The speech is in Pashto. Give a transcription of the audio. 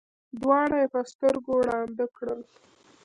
دواړه یې په سترګو ړانده کړل.